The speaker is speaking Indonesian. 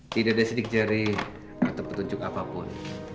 tidak ada sidik jari atau petunjuk apapun